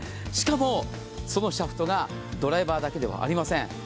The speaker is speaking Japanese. しかもそのシャフトがドライバーだけではありません。